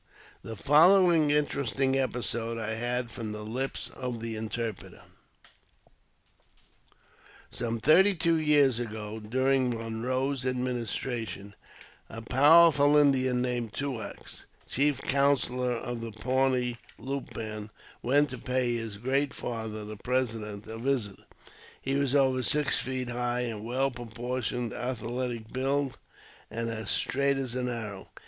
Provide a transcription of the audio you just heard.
The [following interesting episode I had from the lips of the interpreter : Some thirty two years ago, during Monroe's administration, a powerful Indian named Tioo Axe, chief counsellor of the Pawnee Loup band, went to pay his " Great Father," the President, a visit. He was over six feet high and well pro portioned, athletic build, and as straight as an arrow.